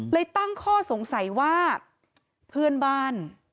ตั้งข้อสงสัยว่าเพื่อนบ้าน